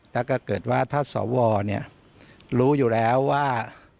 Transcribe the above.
แล้วก็เกิดว่าถ้าสวรู้อยู่แล้วว่า